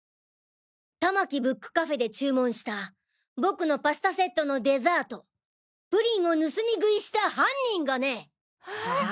玉木ブックカフェで注文した僕のパスタセットのデザートプリンを盗み食いした犯人がね！ハァ？